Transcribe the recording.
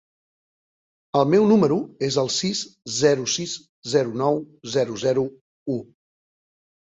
El meu número es el sis, zero, sis, zero, nou, zero, zero, u.